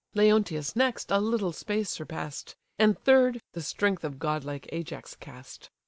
Leonteus next a little space surpass'd; And third, the strength of godlike Ajax cast.